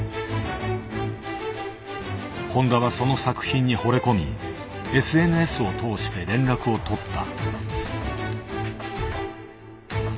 誉田はその作品にほれ込みＳＮＳを通して連絡を取った。